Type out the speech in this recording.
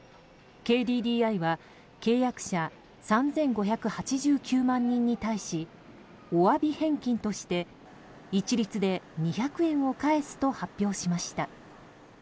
ＫＤＤＩは契約者３５８９万人に対しお詫び返金として一律で２００円を返すと発表しました。